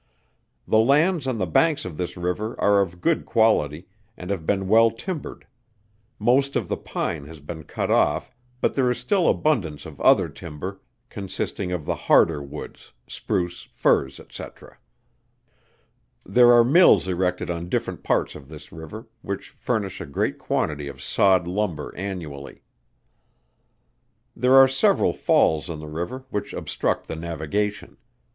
The lands on the banks of this river are of good quality, and have been well timbered; most of the pine has been cut off, but there is still abundance of other timber, consisting of the harder woods, spruce, firs, &c. There are mills erected on different parts of this river, which furnish a great quantity of sawed lumber annually. There are several falls in the river, which obstruct the navigation.